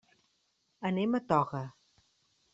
Anem a Toga.